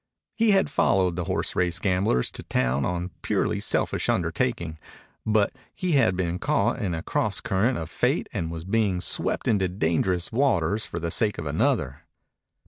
He had followed the horse race gamblers to town on a purely selfish undertaking. But he had been caught in a cross current of fate and was being swept into dangerous waters for the sake of another.